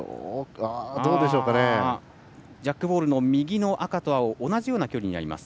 ジャックボールの右の赤と青は同じような距離にあります。